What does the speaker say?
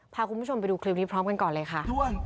พาคุณผู้ชมไปดูคลิปนี้พร้อมกันก่อนเลยค่ะ